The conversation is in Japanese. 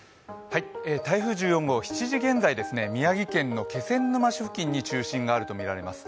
台風１４号、７時現在、宮城県の気仙沼市付近に中心があるとみられます。